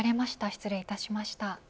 失礼いたしました。